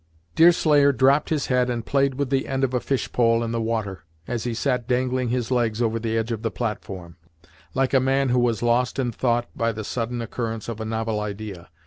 Deerslayer dropped his head and played with the end of a fish pole in the water, as he sat dangling his legs over the edge of the platform, like a man who was lost in thought by the sudden occurrence of a novel idea.